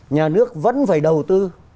nhà nước vẫn phải đầu tư